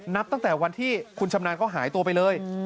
นับตั้งแต่วันที่คุณชำนาญก็หายตัวไปเลย